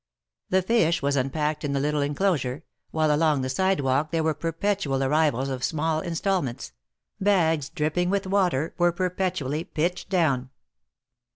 The fish was unpacked in the little enclosure, while along the sidewalk there were perpetual arrivals of small instal ments — bags dripping with water were perpetually pitched down.